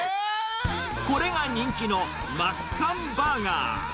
これが人気のマッカンバーガー。